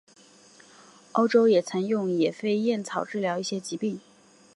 欧洲也曾用野飞燕草治疗一些疾病。